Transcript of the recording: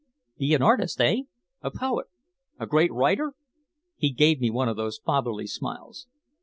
"Be an artist, eh, a poet, a great writer." He gave me one of those fatherly smiles.